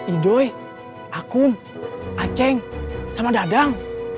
idoi akum aceng sama dadang